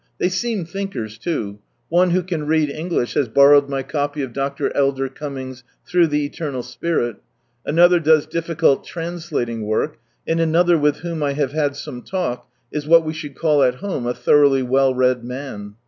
They seem thinkers too : one who can read English, has borrowed my copy of Pr. Elder Cummings' " Through the Eternal Spirit," another does difficult translating work, and another with whom I have had some talk, is what we should call at home a thoroughly well read man.